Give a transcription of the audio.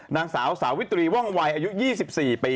นางสาวสาวิตรีว่องวัยอายุ๒๔ปี